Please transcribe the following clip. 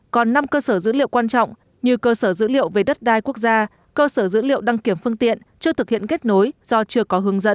còn năm cơ sở dữ liệu quan trọng như cơ sở dữ liệu về đất đai quốc gia cơ sở dữ liệu đăng kiểm phương tiện chưa thực hiện kết nối do chưa có hướng dẫn